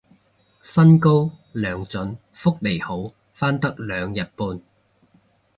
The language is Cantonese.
薪高糧準福利好返得兩日半